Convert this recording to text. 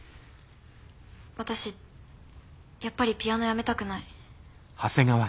私やっぱりピアノやめたくない。